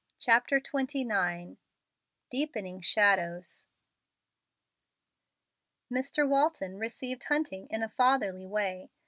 CHAPTER XXIX DEEPENING SHADOWS Mr. Walton received Hunting in a fatherly way.